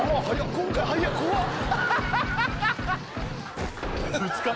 今回はや怖っ！